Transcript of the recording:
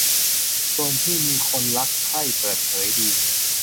ส่วนที่มีคนรักใคร่เปิดเผยดี